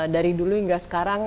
dari dulu hingga sekarang